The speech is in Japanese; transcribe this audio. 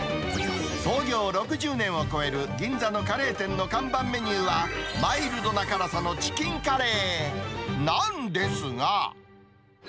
創業６０年を超える銀座のカレー店の看板メニューは、マイルドな辛さのチキンカレー、なんですが。